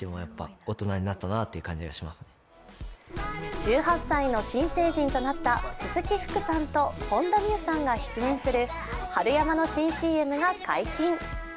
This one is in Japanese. １８歳の新成人となった鈴木福さんと本田望結さんが出演するはるやまの新ＣＭが解禁。